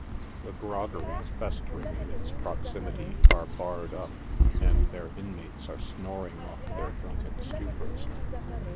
The groggeries festering in its proximity are barred up, and their inmates are snoring off their drunken stupors.